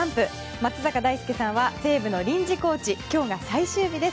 松坂大輔さんは西武の臨時コーチ今日が最終日です。